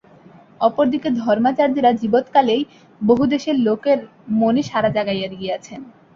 অপরদিকে ধর্মাচার্যেরা জীবৎকালেই বহুদেশের লোকের মনে সাড়া জাগাইয়া গিয়াছেন।